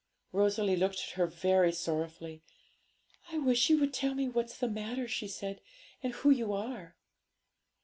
Rosalie looked at her very sorrowfully; 'I wish you would tell me what's the matter,' she said, 'and who you are.'